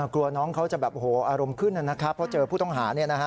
กลัวน้องเขาจะแบบอารมณ์ขึ้นนะครับเพราะเจอผู้ต้องหา